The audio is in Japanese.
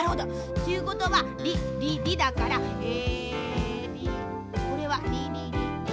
っていうことはりりりだからえりこれはりりり。